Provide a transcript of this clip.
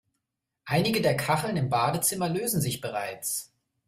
Einige der Kacheln im Badezimmer lösen sich bereits.